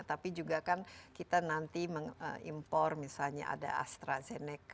tapi juga kan kita nanti mengimpor misalnya ada astrazeneca